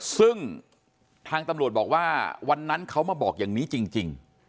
ซึ่งทางตำรวจบอกว่าวันนั้นเขามาบอกอย่างนี้จริง